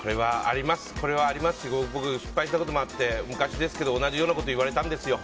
これはありますし僕も失敗したことがあって昔ですけど、同じようなことを言われたんですよ。